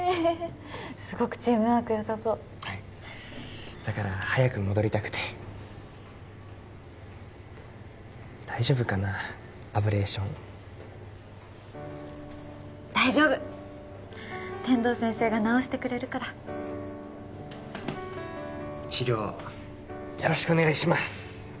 すごくチームワークよさそうはいだから早く戻りたくて大丈夫かなアブレーション大丈夫天堂先生が治してくれるから治療よろしくお願いします